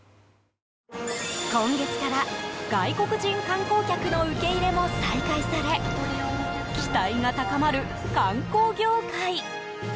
今月から、外国人観光客の受け入れも再開され期待が高まる観光業界。